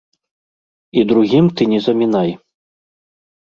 І другім ты не замінай.